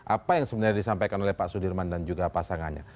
apa yang sebenarnya disampaikan oleh pak sudirman dan juga pasangannya